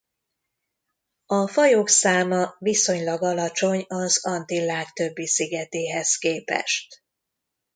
A fajok száma viszonylag alacsony az Antillák többi szigetéhez képest.